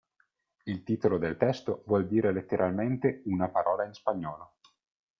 Il titolo del testo vuol dire letteralmente "Una Parola In Spagnolo".